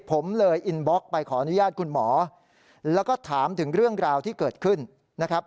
ผมเลยอินบล็อกไปขออนุญาตคุณหมอแล้วก็ถามถึงเรื่องราวที่เกิดขึ้นนะครับ